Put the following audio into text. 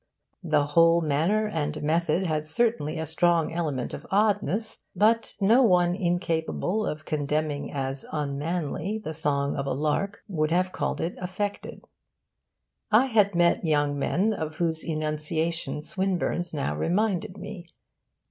The whole manner and method had certainly a strong element of oddness; but no one incapable of condemning as unmanly the song of a lark would have called it affected. I had met young men of whose enunciation Swinburne's now reminded me.